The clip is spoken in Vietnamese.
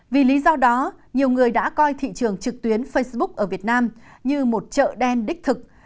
vì lý do đó nhiều người đã coi thị trường trực tuyến facebook ở việt nam như một chợ đen đích thực